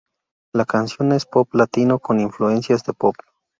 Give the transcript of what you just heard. La canción es pop latino con influencias de pop.